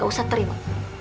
gak usah terima